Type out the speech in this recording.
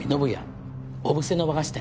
小布施の和菓子店